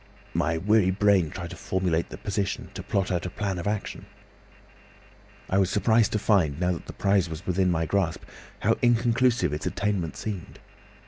My weary brain tried to formulate the position, to plot out a plan of action. "I was surprised to find, now that my prize was within my grasp, how inconclusive its attainment seemed.